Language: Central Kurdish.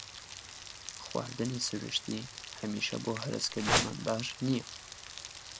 خواردنی سروشتی هەمیشە بۆ هەرسکردنمان باش نییە.